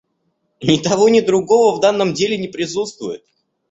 Ни того, ни другого в данном деле не присутствует.